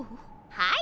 はい。